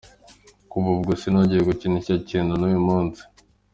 Kuva ubwo sinongeye gukinisha icyo kintu n’uyu munsi.